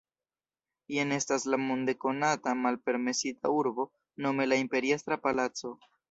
Jen estas la monde konata Malpermesita Urbo, nome la Imperiestra Palaco.